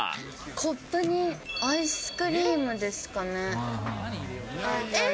コップにアイスクリームですかね。